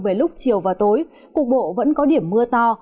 về lúc chiều và tối cục bộ vẫn có điểm mưa to